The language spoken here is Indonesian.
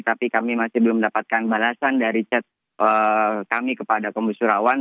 tapi kami masih belum mendapatkan balasan dari chat kami kepada komus surawan